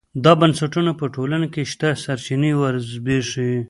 دا بنسټونه په ټولنه کې شته سرچینې وزبېښي.